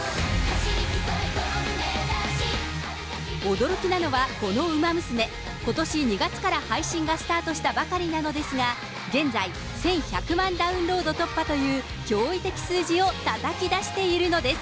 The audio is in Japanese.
驚きなのは、このウマ娘、ことし２月から配信がスタートしたばかりなのですが、現在、１１００万ダウンロード突破という驚異的数字をたたき出しているのです。